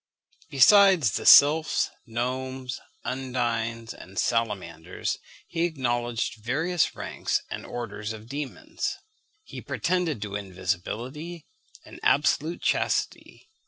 Besides the sylphs, gnomes, undines, and salamanders, he acknowledged various ranks and orders of demons. He pretended to invisibility and absolute chastity.